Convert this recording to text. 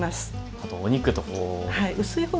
あとお肉とこう。